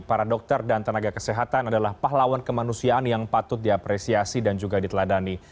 para dokter dan tenaga kesehatan adalah pahlawan kemanusiaan yang patut diapresiasi dan juga diteladani